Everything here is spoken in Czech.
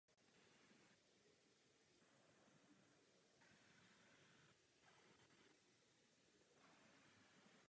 Zápasil od útlého dětství.